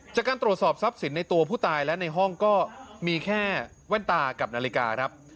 จากการตรวจสอบทรัพย์สินในตัวผู้ตายและในห้องก็มีแค่แว่นตากับนาฬิกาครับ